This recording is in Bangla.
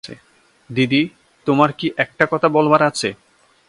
দিদি, তোমার কী একটা কথা বলবার আছে।